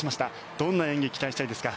どんな演技を期待したいですか？